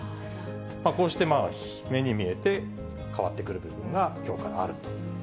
こうして目に見えて変わってくる部分がきょうからあると。